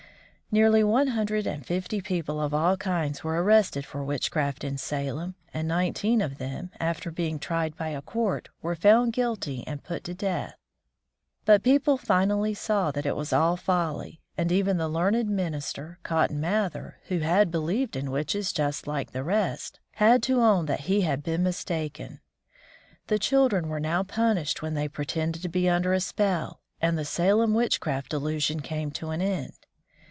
Nearly one hundred and fifty people of all kinds were arrested for witchcraft in Salem, and nineteen of them, after being tried by a court, were found guilty and put to death. But people finally saw that it was all folly, and even the learned minister, Cotton Math´er, who had believed in witches just like the rest, had to own that he had been mistaken. The children were now punished when they pretended to be under a spell, and the Salem witchcraft delusion came to an end.